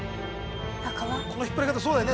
この引っ張り方そうだよね